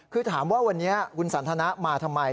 คือถามว่าวันนี้คุณสันทนะมาทำไม